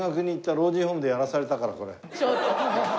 ちょっと。